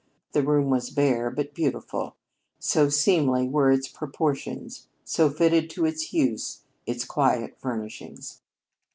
The room was bare but beautiful so seemly were its proportions, so fitted to its use its quiet furnishings.